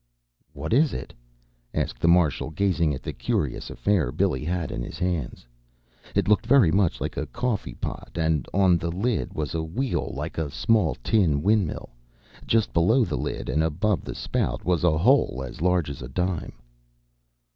"What is it?" asked the Marshal, gazing at the curious affair Billy had in his hands. It looked very much like a coffeepot, and on the lid was a wheel, like a small tin windmill. Just below the lid, and above the spout, was a hole as large as a dime.